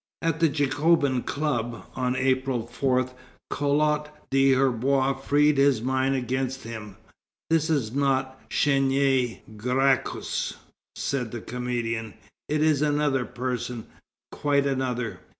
At the Jacobin Club, on April 4, Collot d'Herbois freed his mind against him. "This is not Chénier Gracchus," said the comedian; "it is another person, quite another."